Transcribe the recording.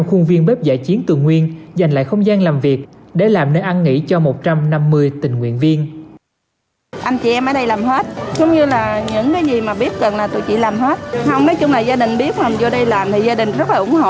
không nói chung là gia đình biết mình vô đây làm thì gia đình rất là ủng hộ